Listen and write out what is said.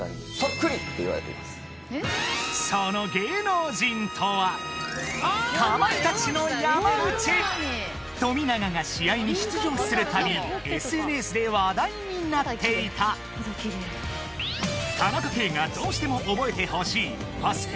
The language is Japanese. その芸能人とは富永が試合に出場するたびＳＮＳで話題になっていた田中圭がどうしても覚えてほしいバスケ